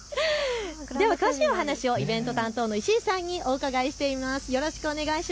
詳しいお話をイベント担当の石井さんにお伺いしてみます。